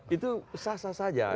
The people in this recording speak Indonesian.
itu sah sah saja